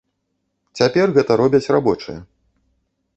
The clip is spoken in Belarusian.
Цяпер гэта робяць рабочыя.